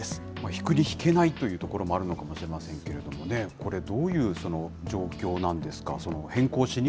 引くに引けないというところもあるのかもしれないですけれどもね、これ、どういう状況なんですか。